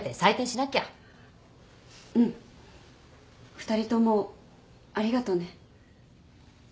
２人ともありがとね。